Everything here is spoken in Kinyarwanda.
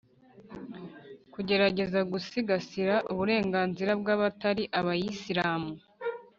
kugerageza gusigasira uburenganzira bw’abatari abayisilamu,